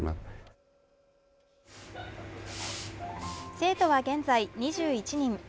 生徒は現在２１人。